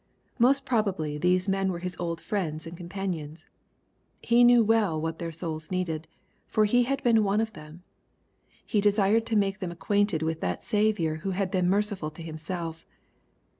Most probably these men were his old friends and companions. He knew well what their souls needed, for he had been one of them. He desired to make them acquainted with that Saviour who had been merciful to himself.